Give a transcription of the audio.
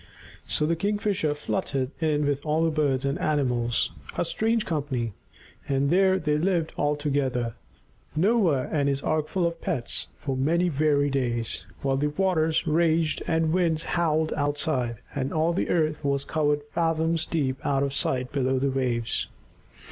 So the Kingfisher fluttered in with the other birds and animals, a strange company! And there they lived all together, Noah and his arkful of pets, for many weary days, while the waters raged and the winds howled outside, and all the earth was covered fathoms deep out of sight below the waves.